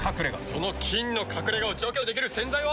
その菌の隠れ家を除去できる洗剤は。